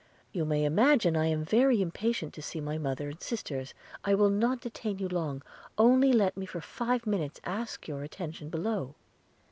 You may imagine I am very impatient to see my mother and my sisters – I will not detain you long – only let me for five minutes ask your attention below.'